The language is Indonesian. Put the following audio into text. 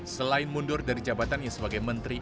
selain mundur dari jabatannya sebagai menteri